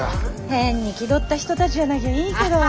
変に気取った人たちじゃなきゃいいけど。